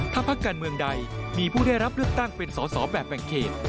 ถ้าพักการเมืองใดมีผู้ได้รับเลือกตั้งเป็นสอสอแบบแบ่งเขต